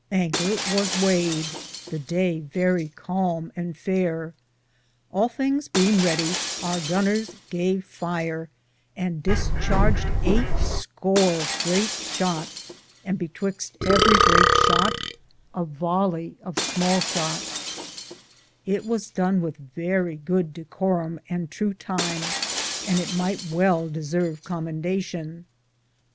Anker was wayed, the Daye verrie calme and fayere. Althinges beinge reddie, our gonores gave fiere, and dis charged eighte score great shotte, and betwyxte everie greate shott a vallie of smale shott ; it was done with verrie good decorume and true time, and it myghte well desarve commendations.